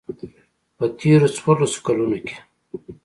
په تېرو څوارلسو کلونو کې.